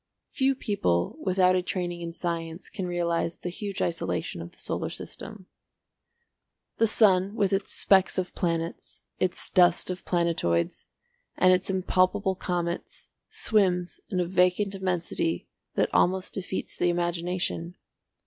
Few people without a training in science can realise the huge isolation of the solar system. The sun with its specks of planets, its dust of planetoids, and its impalpable comets, swims in a vacant immensity that almost defeats the imagination.